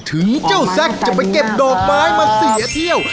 ถึงเจ้าแซ็กจะไปเก็บดอกไม้มาเสียเที่ยว